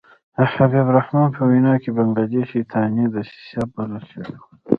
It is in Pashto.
د حبیب الرحمن په وینا کې بنګله دېش شیطاني دسیسه بلل شوې وه.